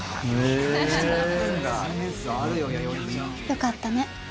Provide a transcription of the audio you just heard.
よかったね。